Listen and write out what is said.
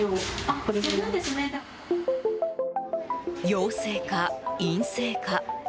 陽性か陰性か。